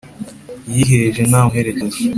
Yiheje ntamuherekeje